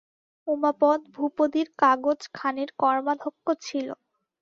উমাপদ ভূপতির কাগজখানির কর্মাধ্যক্ষ ছিল।